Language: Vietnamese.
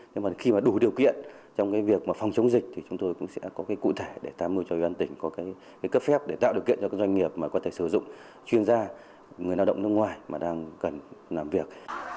nhưng khi đủ điều kiện trong việc phòng chống dịch chúng tôi cũng sẽ có cụ thể để ta mưu cho ubnd tỉnh có cấp phép để tạo điều kiện cho doanh nghiệp có thể sử dụng chuyên gia người lao động nước ngoài đang cần làm việc